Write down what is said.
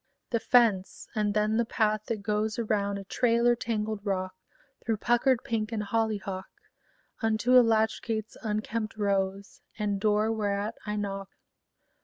The fence; and then the path that goes Around a trailer tangled rock, Through puckered pink and hollyhock, Unto a latch gate's unkempt rose, And door whereat I knock.